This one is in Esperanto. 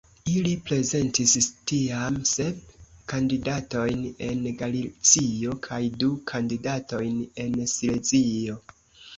Ili prezentis tiam sep kandidatojn en Galicio kaj du kandidatojn en Silezio.